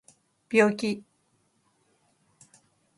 病気